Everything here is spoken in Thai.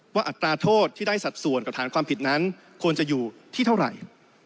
อัตราโทษที่ได้สัดส่วนกับฐานความผิดนั้นควรจะอยู่ที่เท่าไหร่